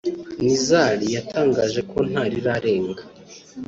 Nizar yatangaje ko nta rirarenga